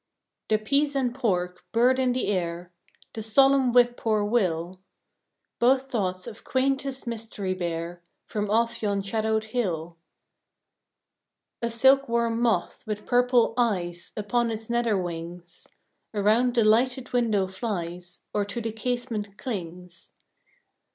The "peas and pork" bird in the air— The solemn whip poor will— Both thoughts of quaintest mystery bear From off yon shadowed hill. A silk worm moth, with purple "eyes" Upon its nether wings, Around the lighted window flies, Or to the casement clings.